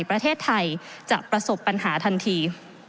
ประเทศไทยจะประสบปัญหาทันที